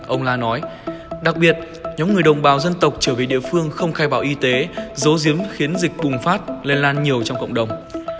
ông la nói đặc biệt nhóm người đồng bào dân tộc trở về địa phương không khai bào y tế dố diếm khiến dịch bùng phát lên lan nhiều trong cộng đồng